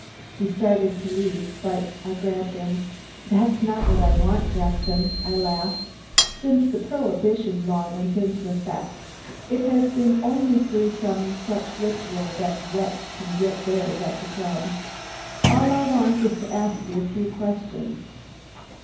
He started to leave, but I grabbed him. "That's not what I want, Jackson," I laughed. Since the prohibition law went into effect, it has been only through some such ritual that "wets" can get theirs at the club. "All I want is to ask you a few questions."